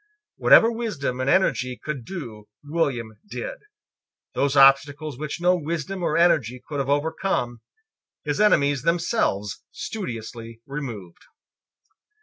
Whatever wisdom and energy could do William did. Those obstacles which no wisdom or energy could have overcome his enemies themselves studiously removed.